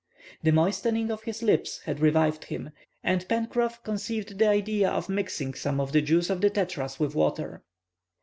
The moistening of his lips had revived him, and Pencroff conceived the idea of mixing some of the juice of the tetras with water.